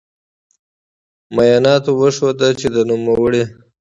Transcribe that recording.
معایناتو وښوده چې د نوموړې